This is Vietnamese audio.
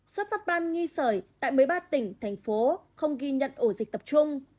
xuất phát ban nghi sởi tại một mươi ba tỉnh thành phố không ghi nhận ổ dịch tập trung